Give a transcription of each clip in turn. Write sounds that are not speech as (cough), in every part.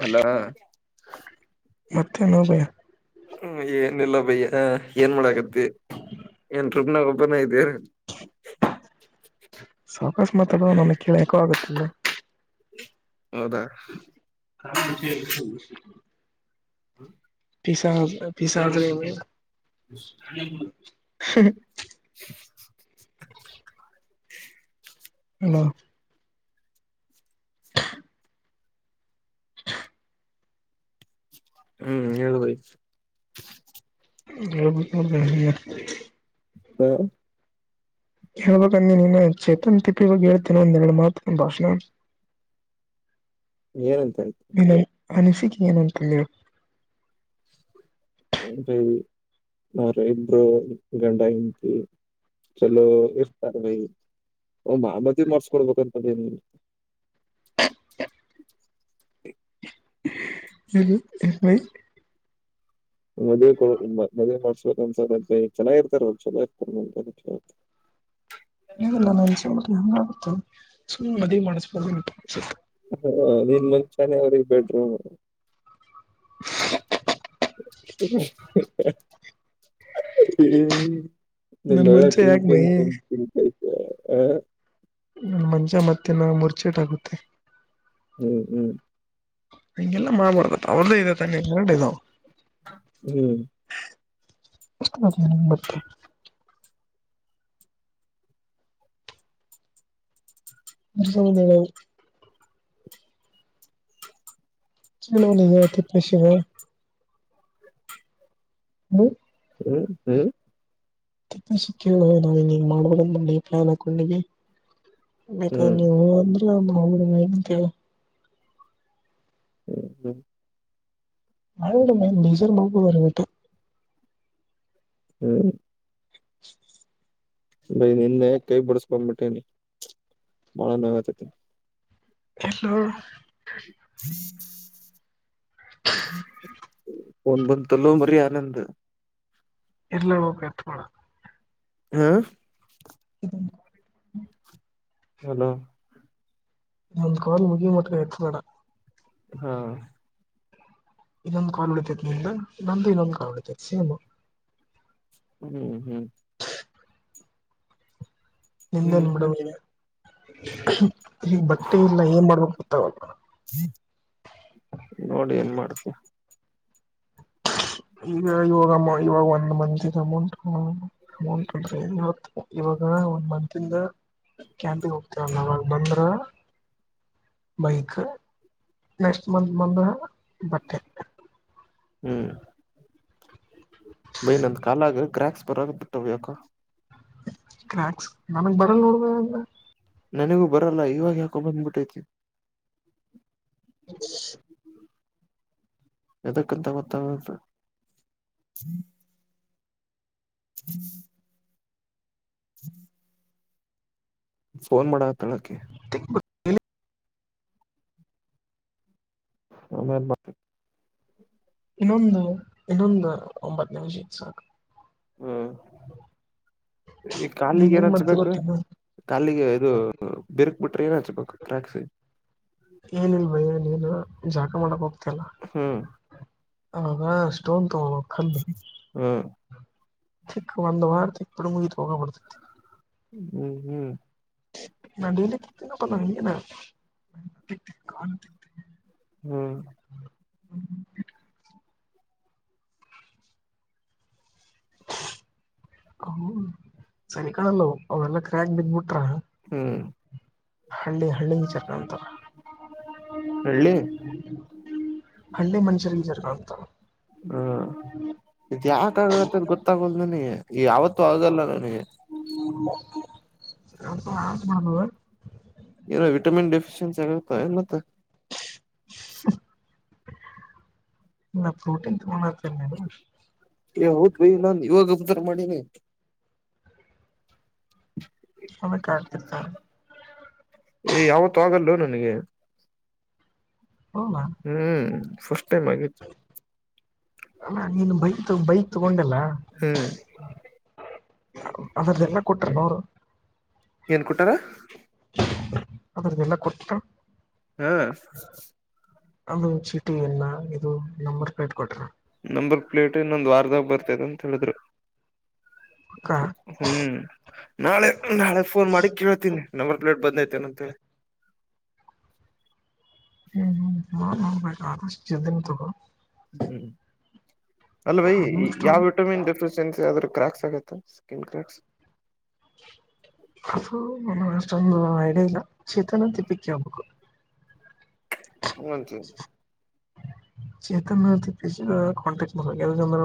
Hello. ಮತ್ತನೋ ಭೈ. ಹ್ಮ ಏನಿಲ್ಲ ಭೈ ಏನ್ ಮಾಡಾಕತ್ತಿ ಏನ್. (unintelligible) ಒಬ್ಬನ ಇದ್ದಿ. ಸಾವಕಾಶ ಮಾತಾಡೊ ನನ್ನ ಕಿವಿ ಇಕೋ ಆಗುತ್ತ ಇಲ್ಲಿ. ಹೌದಾ. (unintelligible) ಹ್ಮ್ ಪಿಸ ಪಿಸ (unintelligible) (unintelligible) ಹೆಲೋ. ಹ್ಮ್ ಹೇಳು ಭೈ. ಹೇಳ್ಬೇಕ್ಲ ಭೈ. (inaudible) ಹೇಳ್ಬೇಕನ್ನಿ ನೀನು ಚೇತನ್ ತಿಪ್ಪಿ ಇವಾಗ ಹೇಳ್ತೇನ ಒಂದೆರಡು ಮಾತ. (unintelligible) ಏನಅಂತಾನ. ಏನ ಅಂತು ಹೇಳಿ ಹೇಳ್. ಏನ್ರಿ ಅವ್ರ ಇಬ್ಬರು ಗಂಡ ಹೆಂಡತಿ. ಚಲೋ ಇರ್ತಾರೆ ಭೈ ಮಾಮಾದೇ ಮಾಡಸ್ಕೊಡ್ಬೇಕಂತನು. (unintelligible) ಮದ್ವಿ ಕೋ ಮ ಮದ್ವೆ ಪಾರ್ಟ್ಸ್. ಚಲೋ ಅನ್ಸಾತೆತ್ ಭೈ ಚಲೋ ಇರ್ತಾರ ಚಲೋ ಇರ್ತ. (inaudible) ಇಲ್ಲೋ ನಂಗ ಅನಿಸಿದ ಮಟ್ಟಿಗ ಸುಮ್ಮ್ ಮದ್ವಿ ಮಾಡಿಸಬೋದ ಅಂತ. ಹ ನೀನ್ ಮಂಚಾನೆ ಅವ್ರ ಬೆಡ್ರೂಮ್. (unintelligible) ಹ ನಿಂದ ನನ್ ಒಳ್ಳೆ ಮನ್ಸ ತಿಂಗ ಯಾಕೆ ಬೈ ತಿಂಗ ತಿ ತಿ. ಹ್ಮ ನಂದ ಮಂಚ ಮತ್ತೆನ ಮುರ್ಚೆಟ್ ಆಗುತ್ತೆ. ಹ್ಮ್ ಹ್ಮ್. ಹಂಗೆಲ್ಲ ಮಾಡಬಾರ್ದ ಅವ್ರ್ದೇ ಇದೆ ತನ್ನೆ ಎರಡೆ ಇದಾವ. ಹ್ಮ್ (unintelligible) ಹೌದ. ಚಲೋ (inaudible) ತಿಪ್ಪಸಿದ. ಹ್ಮ್. ಹ್ಮ್ ಹ್ಮ್. ಕಪ್ಪ ಸಿಕ್ಕಿಲ್ಲೋ ನಾವಿನ್ಗ್ ಹಿಂಗ ಮಾಡ್ಬೋದಂದಿ ಪ್ಲಾನ್ ಹಾಕೊಂಡಿವಿ. ಬೇಕಾರ ಹ್ಮ್ ಹ್ಮ್ ನೀವು ಹೂ ಅಂದ್ರ (inaudible) ಕೇಳ. ಹ್ಮ್ ಹ್ಮ್. (inaudible) ಬೇಜಾರ್ ಮಾಡ್ಕೋಬೇಡ ಏಟು. ಹ್ಮ್. ಬೈ ನಿನ್ನೆ ಕೈ ಬಡಿಸ್ಕೊಂಡ್ಬಿಟ್ಟೀನ ಬಾಳ ನೋವತೈತೆ. ಎಲ್ಲೊ? (inaudible) ಒನ್ ಬಂದು ತಾಲೋ ಮರಿ ಆನಂದ. ಇರ್ಲಲ್ಲೋ ಕೆತ್ತಬೇಡ. ಹಾ. (inaudible) ಹಲೋ. ನಂದ ಕಾಲ್ ಮುಗಿಯುಮಟ ಎತ್ತಬೇಡ. ಹಾ ಇನ್ನೊಂದ್ ಕಾಲ್ ಉಳಿತೈತಿ ನಂದುು, ನಿಂದು ಇನ್ನೊಂದು ಕಾಲ್ ಉಳಿತ ತ್ ಸೇಮು. ಹ್ಮ್ ಹ್ಮ್ ಹ್ಮ್ ನಿಮ್ದೇನ್ ಹ್ಮ್ ಬಿಡಬ ಹ್ಮ್ ಈಗ ಬಟ್ಟೆ ಇಲ್ಲ ಏನ್ ಮಾಡ್ಬೇಕ ಗತ್ತಾವಲ್ಲ ನೋಡಿ ಏನ್ ಮಾಡ್ತೀರಾ ಈಗ ಇವಾಗಮ್ಮ ಇವಾಗ ಒಂದ್ ಮಂತಿದ ಅಮೌಂಟ್ ಅಮೌಂಟ್ ಅಂದ್ರೆ ಇತ್ತು ಇವಾಗ ಒಂದ್ ಮಂತ್ ಇಂದ ಕ್ಯಾಂಪಿಗೆ ಹೋಗ್ತರ ನವಾಗ ಬಂದ್ರ (inaudible) ಮೈಕ್ ನೆಕ್ಸ್ಟ್ ಮಂತ್ ಬಂದ್ರ ಬಟ್ಟೆ ಹ್ಮ್ ಬೈ ನಂದ ಕಾಲಾಗ ಕಕ್ಯಾಂಪ್ಸ್ ಬರೋ ಬಿಟ್ಟಾವ ಯಾಕ ಕ್ರ್ಯಾಕ್ಸ್ ನನಗ್ ಬರಲ್ ನೋಡಬೇಕ ಎ ನನಗೂ ಬರಲ್ಲ ಇವಾಗ ಯಾಕೊ ಬಂದ್ಬಿಟ್ಟೈತಿ ಹ ಎದಕ್ಕಂತ ಗೊತ್ತಾಗಂತ ಹ್ಮ ಹ್ಮ ಫೋನ್ ಮಾಡ ತಳಕ್ಕೆ (inaudible) ಆಮೇಲೆ ಮಾಡ್ತೀನಿ ಇನ್ನೊಂದು ಇನ್ನೊಂದು ಒಂಬತ್ತು ನಿಮಿಷ ಸಾಕು ಹ್ಮ್ ಈ ನೀನ್ ಕಾಲಿಗೆ ಏನ ಏನ್ ಮಾಡ್ತಿ ಹಚ್ಬೇಕು ಗೊತ್ತೇನು ಕಾಲಿಗೆ ಇದು ಬಿರ್ಕ್ ಟ್ರೈನ್ ಹಚ್ಬೇಕು ಟ್ರ್ಯಾಕ್ಸ್ ಏನಿಲ್ ಭಯ ನೀನು ಜಾಕ್ ಮಾಡಕ್ ಹೋಗ ಹ್ಮ ಹ ಸ್ಟೋನ್ ತಗೋ ಹ್ಮ್ ಚಕ್ಕ ಬಂದು ಬಾರತಿ ಎಪ್ಪಡ ಉರ್ ಪೋಗಪ ಹ್ಮ್ ಹ್ಮ್ ನಾ ಡೈಲಿ ತಪ್ಪ ನಿನ ಹ್ಮ್ ಹ್ಮ್ ಹ್ಮ್ ಹ ಸರಿ ಕಾಣಲ್ಲ ಅವೆಲ್ಲ ಕ್ರ್ಯಾಕ್ ಬಗ್ಬಿಟ್ರ ಹ್ಮ ಹಳ್ಳಿ ಹಳ್ಳಿ ಚರ್ ಅಂತರ ಹಳ್ಳಿ ಹಳ್ಳಿ ಮನುಷ್ಯ ಜರ ಕಾಣ್ತ ಹ್ಮ ಇದು ಯಾಕಾಗತ್ತ ಅ ಗೊತ್ತಾಗಲ್ ನನಗೆ ಯಾವತ್ತುೂ ಆಗಲ್ಲ ನನಗೆ ಅ ಆ ನಾನ ಏನೋ ವಿಟಮಿನ್ ಡಿಫಿಶಿಯನ್ಸಿ ಆಗುತ್ತ ಮತ್ತ ನ ಪ್ರೋಟೀನ್ ತ ಬನ ಹೌದು ಭೈ ನನ್ು ಇವಾಗ ಮ ಅ ಕಡ್ತಿತ ಏ ಯಾವತ್ತುೂ ಆಗಲ್ಲ ನನಗೆ ಹೌದಾ ಹ್ಮ್ ಫಸ್ಟ್ ಟೈಮ್ ಆಗಿತ್ತು ಅಲ್ಲ ನೀನು ಬೈಕ್ ಬೈಕ್ ತಗೊಂಡಲ್ಲ ಹ್ಮ್ ಅದ್ರಲ್ಲ ಎಲ್ಲ ಕೊಟರು ಅವೋರು ಏನ್ ಕೊಟಾರ (inaudible) ಅದ್ರದ್ದ ಎಲ್ಲ ಕೊಡ್ತಿಕ ಹ್ಮ ಅದು ಚೀಟಿ ನ್ನ ಇದು ನಂಬರ್ ಪ್ಲೇಟ್ ಕೊಟ್ರ ನಂಬರ್ ಪ್ಲೇಟ್ ಇನ್ನೊಂದು ವಾರದಾಗ ಬರ್ತದ ಅಂತ ಹೇಳಿದ್ರು ಅಕ್ಕ ಹ್ಮ್ ನಾಳೆ ನಾಳೆ ಫೋನ್ ಮಾಡಿ ಕೇಳ್ತೀನಿ ನಂಬರ್ ಪ್ಲೇಟ್ ಬಂದ್ತೇನ ಅಂತೇಳಿ (inaudible) ಹ್ಮ್ ಹ್ಮ್ ನ ನೋಡ್ಬೇಕು ಆದಷ್ಟ ಇದ್ದನ್ ತಗ ಹ್ಮ್ ಅಲ್ಲ ಭೈ ಯಾವ್ ಅಷ್ಟೊಂದು ವಿಟಮಿನ್ ಡೆಫಿಶಿಯನ್ಸಿ ಆದ್ರೂ ಕ್ರಾಕ್ಸ್ ಸ್ಕಿನ್ ಕ್ರ್ಯಾಕ್ಸ್ ನ ಅಷ್ಟೊಂದು ಐಡಿಯಾ ಇಲ್ಲ ಚೇತನ ತಿಪ್ಪಿಕ್ಕೆ ಹೋಗಬೇಕು ಹೂ (inaudible) ಚೇತನ್ ಕಾಂಟೆಕ್ಟ್ಂದ್ರ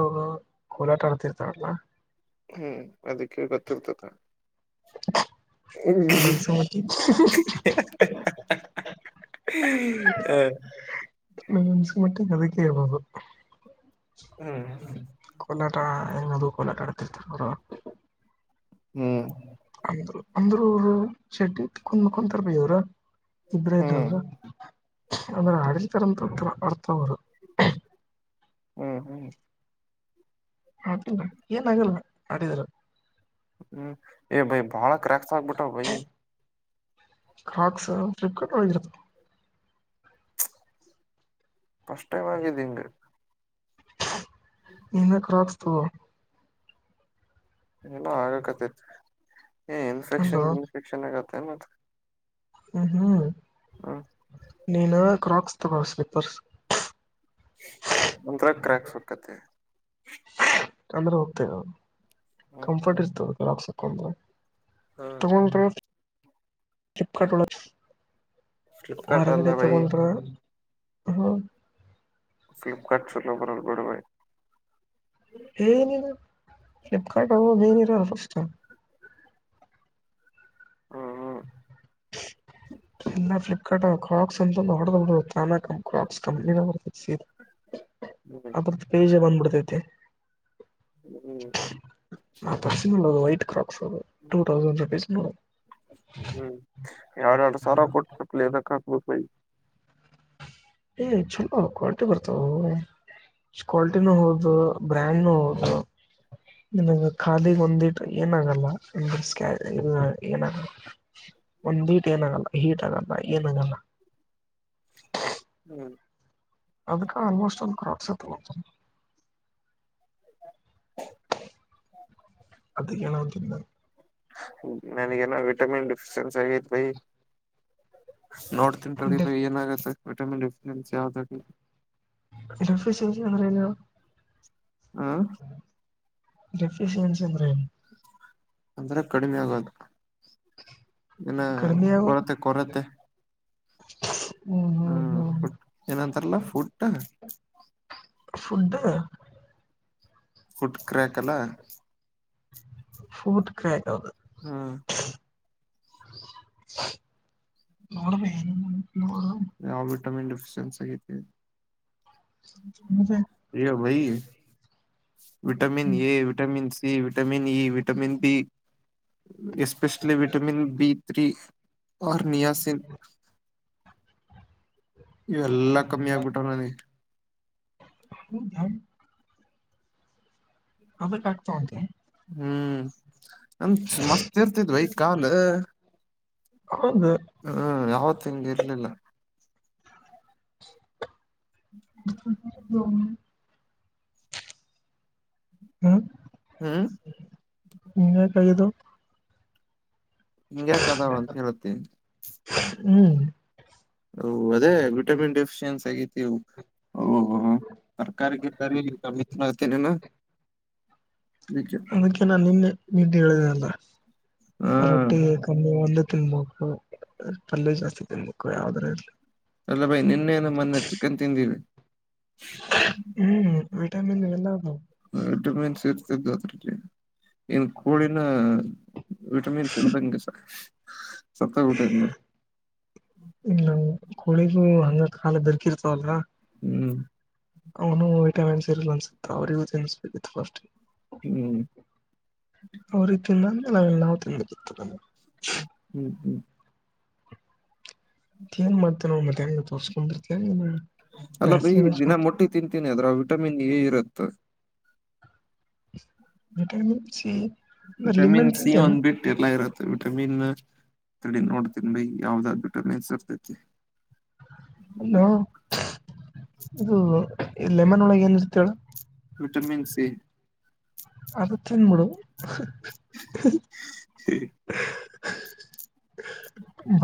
ಕೋಲಾಟ ಆಡ್ತಿರ್ತಾವಲ್ಲ ಹ್ಮ್ ಅದಕ್ಕೆ ಗೊತ್ತಿರ್ತದ (inaudible) (unintelligible) (unintelligible) ಹ ಹ ಮನ್ಸ ಮಟ್ಟ ಅದಕ್ಕೆಬದು ಹ್ಮ ಕೋಲಾಟ ಏನದು ಕೋಲಾಟ ಆಡ್ತಿರ್ತ ಹ್ಮ್ ಅಂದ್ರರು ಶೆಡ್ ಕುಂದ ಕುಂತರಪವ್ರ ಇಬ್ರ ಹ್ಮ್ ಇದ್ರಂದ್ರ ಅಂದ್ರೆ ಅಡ್ಜತಾರ ಅಂತತ ಅರ್ಥ ಅವರು ಹ್ಮ್ ಹ್ಮ್ ಅಡಲ್ಲ ಏನ್ ಆಗಲ್ಲ ಅಡಿದರ ಹ್ಮ್ ಎ ಭೈ ಬಾಳಕ ರಕ್ ಬಟ ಭೈ ಕಾಕ್ಸ್ ಫ್ಲಿಪ್ಕಾರ್ಟ್ ಒಳಗಿರುತ ಫಸ್ಟ್ ಟೈಮ್ ಆಗಿದ್ದ ಹಿಂಗ (inaudible) ನಿನ್ನ ಕ್ರಾಕ್ (unintelligible) ಏನೋ ಆಗಕತ್ತೈತ್ ಏ ಇನ್ಫೆಕ್ಷನ್ ಅಲ್ಲೋ ಇನ್ಫೆಕ್ಷನ್ ಆಗತ್ತ ಮತ್ತ ಹ್ಮ ಹ್ಮ್ ಹ್ಮ ನೀನು ಕ್ರಾಕ್ಸ್ ತಗೊ ಸ್ಲಿಪರ್ಸ್ ನಂತರ ಕ್ರ್ಯಾಕ್ ಸುಕ್ಕತೆ ಅಂದ್ರೆ ಹೋಗ್ತೇ ಹ್ಮ್ ಕಂಫರ್ಟ್ ಹ್ಮ್ ಇರ್ತದೆ ಕರಾಕ್ಸಕಂತ ಹ್ಮ್ ತಗ ಚಿಪ್ಕಟ್ ಒಳ ಫ್ಲಿಪ್ಕಾರ್ಟ್ ಅಲ್ಲ ಹೊರಗಡೆ ಬೈ ತಗೊಂಡ್ರ ಹ್ಮ ಫ್ಲಿಪ್ಕಾರ್ಟ ಚಲ್ಲೋ ಬರದು ಬಡಬ ನರ ಫ್ಲಿಪ್ಕಾರ್ಟ್ ಅ ಮನ ಇರಫಸ್ ಹ್ಮ ಇಲ್ಲ ಫ್ಲಿಪ್ಕಾರ್ಟ್ ಕ್ರಾಕ್ಸ್ ಅಂತ ಹೊಡಾನ ಕ್ರಾಕ್ಸ್ ಕಂಪ್ನಿ ಬರ್ತ ಸೀ ಹ್ಮ್ ಅ ಪೇಜ ಬಂದ್ಬಿಡ್ತೈತಿ ಹ್ಮ್ ಟ ಥೌಸಂಡ್ ರುಪಿಸಸ್ ಮಾಡ. ಹ್ಮ್ ಯಾರ ಹಾರ ಸಾರಾ ಕೊಟ್ಟಪ್ಪಲ ರಕ್ಕ ಏ ಚಲ ಕ್ವಾಲ್ಟಿ ಬರ್ತಾವ ಕ್ವಾಲಿಟಿನೂ ಹೌದು ಬ್ರ್ಯಾಂಡ್ನು ಹೌದು ನನ್ ಖಾಲಿಗ್ ಒಂದಿಟ್ಟ ಏನಾಗಲ್ಲ (inaudible) ಏನಾಗಲ್ಲ ಒಂದ್ ಬೀಟ್ ಏನಾಗಲ್ಲ ಹೀಟ್ ಆಗಲ್ಲ ಏನಾಗಲ್ಲ ಹ್ಮ್ ಅದಕ್ಕ ಆಲ್ಮೋಸ್ಟ್ ಒಂದು ಕರಾಡ್ ಸತತ ಅದ ನವುತ ನ ವಿಟಾಮಿನ್ ಫನ್ ಸ ಬ ನಾನು ನೋಡ್ತನ್ಂತರಿ ಏನಾಗತ್ತ ವಿಟಮಿನ್ಫ ಯಾವ್ದ ಎಫ ವಿಂದಲ್ಲ ಹ್ಮ ರೆಫ್ರಿನ್ಸ್ ಅಂದ್ರೆ ಅಂದ್ರೆ ಕಡಿಮೆ ಆಗದು ಇಲ್ಲ ಕೊರತೆ ಕೊರತೆ ಹ್ಮ (unintelligible) ಹ್ಮ ಫು ಏನಂತಾರಲ್ಲ ಫುಟ್ (unintelligible) ಫುಟ್ ಕ್ರ್ಯಾಕ್ ಅಲ್ಲ ಶುತ್ ಕೌದು ಹ್ಮ್ ನೋಡಬೇಕೇ ನೋ ಯ ವಿಟಾಮನ್ ಫಶನ್ ಸಗತಿ ಯೋ ಭೈ vitamin A vitamin C vitamin ಈ vitamin B especially vitamin B three niacin ಇವೆ ಎಲ್ಲಾ ಕಮ್ಮಿ ಆಗ್ಬಿಟ್ಟಾವ ನಿ ಹ ಧರ್ ಹದಕ್ಾಗಗ್ತಾವಂತೆ ಹ್ಮ್ ಅಂ ಮಸ್ತ್ ಇರ್ತಿದ್ವಿೈ ಕಾಲ್ ಹೌದು ಹ ಯಾವತ್ ತಿಂಗ ಇರ್ಲಿಲ್ಲ ಹ್ಮ ಹ್ಮ ಹ್ಮ್ ನಿ ಕದು ಹಿಂಗ್ಯಾಕದಾವ ಅಂತ ಹೇಳತ್ತೇ ಹ್ಮ್ ಅದೇ ವಿಟಮಿನ್ ಡಿಫಿಶಿಯನ್ಸಿ ಆಗತಿ ಓ ತರ್ಕಿಗೆ ಸರಿಮ್ಮಿ್ತೇನೇನಾ ಅದಕ್ಕೆ ನಾನ್ ನಿನ್ನೆ ನಿನ್ನೆ ಹೇಳಿದಲ್ಲ ಹಾ ರೊಟ್ಟಿ ಕಮ್ಮಿ ಒಂದು ತಿನ್ು ಪಲ್ಲಯ ಜಾಸ್ತಿ ತಿನ್ಬೇಕು ಯಾವದರ ಇರ್ಲಿ ಅಲ್ಲ ಬೈ ನಿನ್ನೇನು ಮೊನ್ನೆ ಚಿಕನ್ ತಿಂದಿವವಿ ಹ್ಮ್ ವಿಟಾಮಿನ್ ಎಲ್ಲ ಹ ಎಡು ಮೀನ್ ಸರ್ತತ್ರಲ್ಲಿ ನ್ ಕೋಳಿನ ವಿಟಮಿನ್ಸ್ ಎದಂಗಗೆಸರ್ ಸತ್ತ ಕಊಟ ಕೋಳಿಗು ಹಂಗತ್ ಕಾಲ ದರ್ಕಿರ್ತವಲ್ ಹ್ಮ್ ಅವನು ವಿಟಾಮಿನ್ ಸ ಇರಲ್ ಅನ್ಸುತ್ತಾ ಅವ್ರರಿಗೂ ತಿನ್ಿಸ್ಬೇಕಿತ್ತು ಫಸ್ಟ್ ಹ್ಮ್ ಅವ್ರಿಗೆ ತಿಿಂದ್ರ ನಾವೆಲ್ಲ ನಾವು ತಿಿಂದಿತ ಹ್ಮ್ ಹ್ಮ್ ನ್ ಮತ್ ನಾ ಮಧ್ಯಾಹ್ನ ತೋರ್ಸ್ಕೊಂಡ್ಬಿರ್ತೇವಿ ಅಲ್ಲ ಬಯ ದಿನ ಮೊಟ್ಟಿ ತಿಂತೀನಿ ಅದ್ರ ವಿಟಮಿನ್ ಎ ಇರುತ್ತ ಮಟ ಹಚ ವಿಟಮಿನ್ ಸಿ ಒಂದ್ ಬಿಟ್ಟ ಎಲ್ಲ ಇರುತ್ತೆ ವಿಟಮಿನ್ ತಡೆ ನೋಡ್ತನ್ಿ ಬೈ ಯಾವ್ದಾದ್ ವಿಟಮಿನ್ಸ್ ಇರ್ತೈತಿ ಅಲ್ಲ ಇದು ಲೆಮನ್ ಒಳಗೆ ಏನಿರುತ್ತೇಳ ವಿಟಾಮನ್ ಸಿ ಅ ತಿಿಂದ ಮೂಡ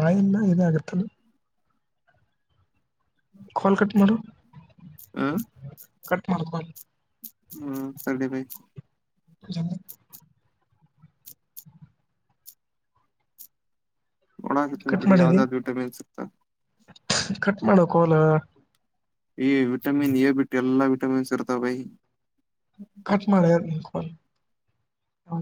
ಬಾಯಲ್ಲ ಇದ ಆಗತ್ತಲ್ಲ ಕಲ್ ಕಟ್ ಮಾಡಾರೋ ಹಾ ಕಟ್ ಮಾಡಾರ ಕಲ್ ಹ್ಮ್ ಸರ್ದ ಭಿ ಹ ಡಾಕತ ಕಟ್ ೋ ಮಾಡಿದಿ ಆದಾದ ಜಟೆ ಮ ಸತ ಕಟ್ ಮಾಡಕಲ ಈ ವಿಟಮಿನ್ ಬಿಟ್ಟ ಎಲ್ಲಾ ವಿಟಮಿನ್ಸ್ ಇರ್ತಾವ ಬೈ ಕಟ್ ಮಾಡಳ ಕೊಲ್